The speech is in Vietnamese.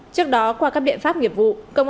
trước đó qua các biện pháp nghiệp vụ